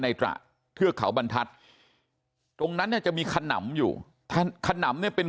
ตระเทือกเขาบรรทัศน์ตรงนั้นเนี่ยจะมีขนำอยู่ขนำเนี่ยเป็น